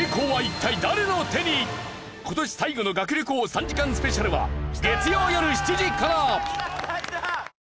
今年最後の学力王３時間スペシャルは月曜よる７時から。